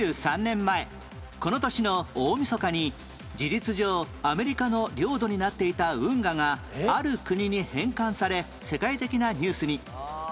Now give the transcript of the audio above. ２３年前この年の大晦日に事実上アメリカの領土になっていた運河がある国に返還され世界的なニュースに